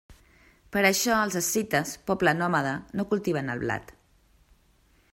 Per això els escites, poble nòmada, no cultiven el blat.